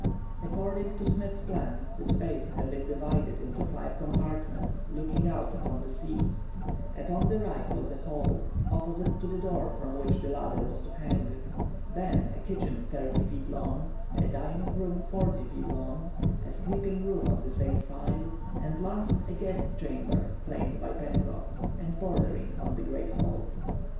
According to Smith's plan, the space had been divided into five compartments looking out upon the sea; upon the right was the hall, opposite to the door from which the ladder was to hang, then a kitchen thirty feet long, a dining room forty feet long, a sleeping room of the same size, and last a "guest chamber," claimed by Pencroff; and bordering on the great hall.